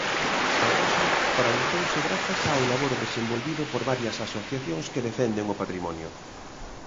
A poxa paralizouse grazas ao labor desenvolvido por varias asociacións que defenden o patrimonio.